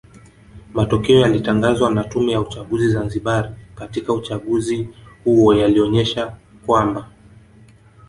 Matokeo yaliyatangazwa na Tume ya uchaguzi Zanzibari katika uchaguzi huo yalionesha kwamba